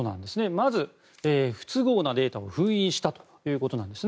まず不都合なデータを封印したということなんです。